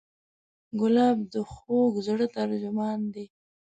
ګلاب د خوږه زړه ترجمان دی.